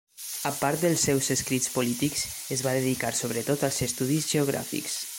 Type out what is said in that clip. A part dels seus escrits polítics, es va dedicar sobretot als estudis geogràfics.